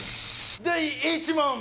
第１問！